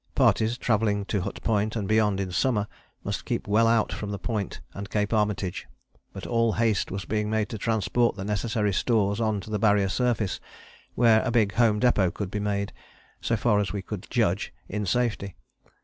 Parties travelling to Hut Point and beyond in summer must keep well out from the Point and Cape Armitage. But all haste was being made to transport the necessary stores on to the Barrier surface, where a big home depôt could be made, so far as we could judge, in safety.